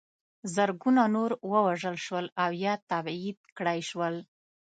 زرګونه نور ووژل شول او یا تبعید کړای شول.